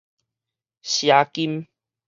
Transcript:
賒金